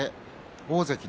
大関の